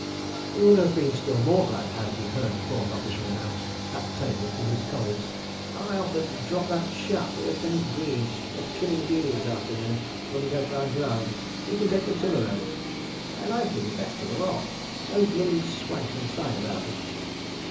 He would have been still more glad had he heard the fourth officer announce, at table, to his colleagues: "I offered to drop that chap, Lieutenant Greene, at Kilindini this afternoon, when we go for our grind. He can take the tiller ropes. ... I like him the best of the lot—no blooming swank and side about him."